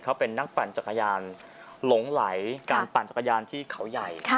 เขาเป็นนักปั่นจักรยานหลงไหลการปั่นจักรยานที่เขาใหญ่